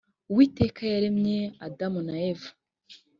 uwitega yaremye adamu na eva.